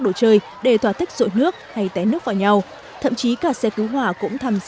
đồ chơi để thỏa thích sội nước